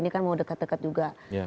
ini kan mau dekat dekat juga